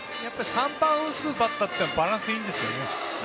３番を打つバッターってバランスがいいんですね。